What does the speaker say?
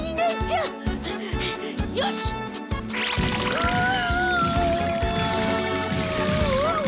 うわ！